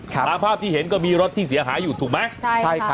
จากภาพที่เห็นก็มีรถที่เสียหายุดถูกไหมใช่ค่ะ